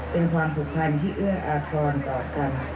เป็นความผูกพันที่เอื้ออาทรต่อกัน